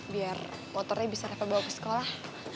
biar motornya bisa repot bawa ke sekolah